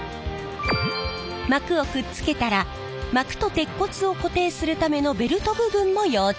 膜をくっつけたら膜と鉄骨を固定するためのベルト部分も溶着。